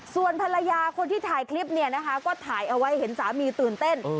ส่วนภรรยาคนที่ถ่ายคลิปเนี่ยนะคะก็ถ่ายเอาไว้เห็นสามีตื่นเต้น